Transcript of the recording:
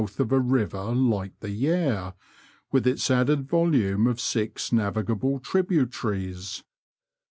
5^ month of a river like the Yare, with its added volume of six navigable tributaries.